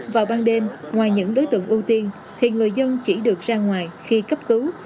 vào ban đêm ngoài những đối tượng ưu tiên thì người dân chỉ được ra ngoài khi cấp cứu